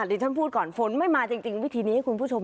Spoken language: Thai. เดี๋ยวฉันพูดก่อนฝนไม่มาจริงจริง